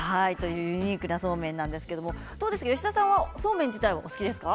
ユニークなそうめんなんですけれども、吉田さんはそうめん自体はお好きですか。